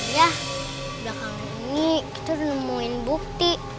iya udah kangen nih kita udah nemuin bukti